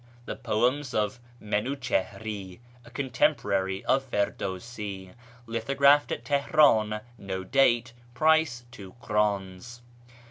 The poems of Miniichihri (a contemporary of Firdawsi). Lithographed at Teheran, No date. Price 2 krdns.